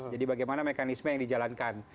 jadi bagaimana mekanisme yang dijalankan